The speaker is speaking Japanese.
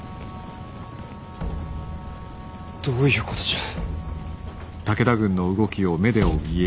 どういうことじゃ？